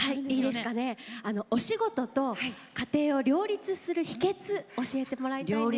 お仕事と家庭を両立する秘けつを教えていただきたいんですけれど。